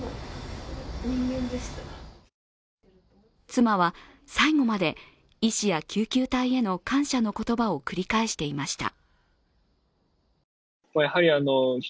妻は、最後まで医師や救急隊への感謝の言葉を繰り返していました。